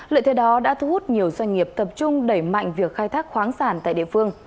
lợi thế đó đã thu hút nhiều doanh nghiệp tập trung đẩy mạnh việc khai thác khoáng sản tại địa phương